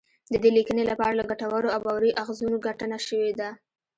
د دې لیکنی لپاره له ګټورو او باوري اخځونو ګټنه شوې ده